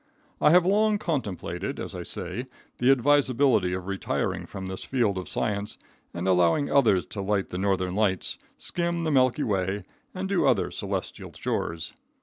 I have long contemplated, as I say, the advisability of retiring from this field of science and allowing others to light the northern lights, skim the milky way and do other celestial chores.